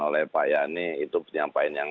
oleh pak yani itu penyampaian yang